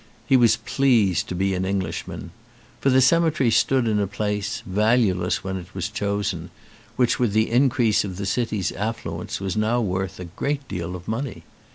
He was pleased to be an Englishman. For the cemetery stood in a place, valueless when it was chosen, which with the increase of the city's affluence was now worth a great deal of money.